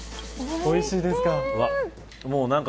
おいしいですか。